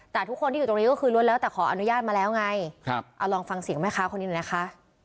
แต่ทุกคนที่อยู่ตรงนี้ก็คือล้วนแล้วแต่ขออนุญาตมาแล้วไงเอาลองฟังเสียงแม่ค้าคนนี้หน่อยนะคะ